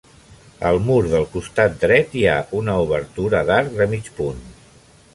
Al mur del costat dret hi ha una obertura d'arc de mig punt.